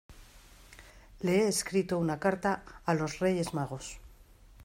le he escrito una carta a los Reyes Magos